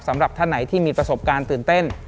สำหรับท่านไหนที่มีประสบการณ์ตื่นเต้น